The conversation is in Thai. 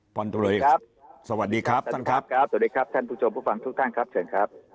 สวัสดีครับท่านครับสวัสดีครับท่านครับสวัสดีครับท่านผู้ชมผู้ฟังทุกท่านครับเชิญครับ